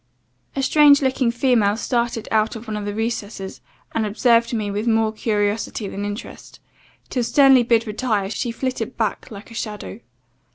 "A strange looking female started out of one of the recesses, and observed me with more curiosity than interest; till, sternly bid retire, she flitted back like a shadow.